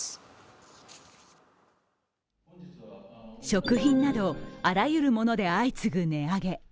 食品などあらゆるもので相次ぐ値上げ。